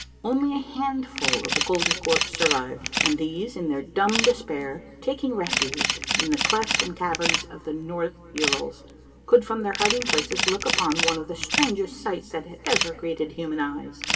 Only a handful of the Koltykwerps survived ; and these, in their dumb despair taking refuge in the clefts and caverns of the North Urals, could from their hiding places look upon one of the strangest sights that had ever greeted human eyes.